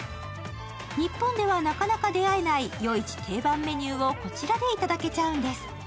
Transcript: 日本ではなかなか出会えない夜市定番メニューをこちらでいただけちゃうんです。